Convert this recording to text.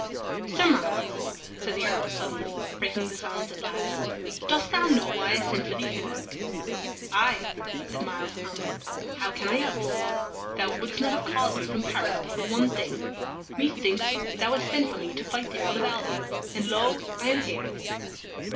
"Sir Myles," said the Earl, suddenly, breaking the silence at last, "dost thou know why I sent for thee hither?" "Aye," said Myles, calmly, "how can I else? Thou wouldst not have called me from Paris but for one thing. Methinks thou hast sent for me to fight the Earl of Alban, and lo! I am here."